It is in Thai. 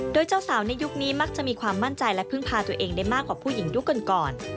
โดยเจ้าสาวในยุคนี้มักจะมีความมั่นใจและพึ่งพาตัวเองได้มากกว่าผู้หญิงยุคก่อน